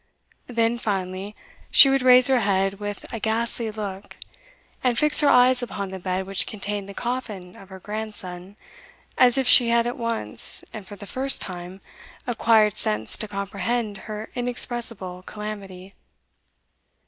Then, finally, she would raise her head with a ghastly look, and fix her eyes upon the bed which contained the coffin of her grandson, as if she had at once, and for the first time, acquired sense to comprehend her inexpressible calamity.